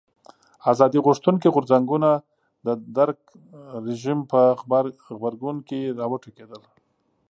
ازادي غوښتونکي غورځنګونه د درګ رژیم په غبرګون کې راوټوکېدل.